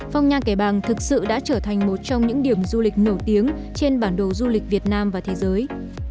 phong nha kẻ bàng thực sự đã trở thành một trong những điểm du lịch nổi tiếng trên bản đồ du lịch việt nam và thế giới